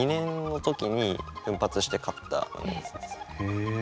へえ。